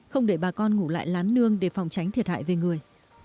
không để bà con ngủ lại lán nương để phòng tránh thiệt hại về người